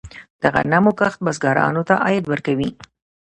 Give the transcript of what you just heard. د غنمو کښت بزګرانو ته عاید ورکوي.